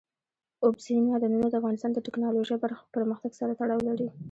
اوبزین معدنونه د افغانستان د تکنالوژۍ پرمختګ سره تړاو لري.